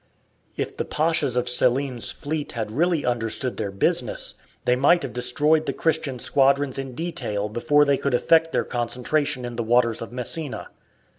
If the pashas of Selim's fleets had really understood their business, they might have destroyed the Christian squadrons in detail before they could effect their concentration in the waters of Messina.